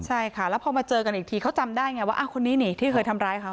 ใช่ค่ะแล้วพอมาเจอกันอีกทีเขาจำได้ไงว่าคนนี้นี่ที่เคยทำร้ายเขา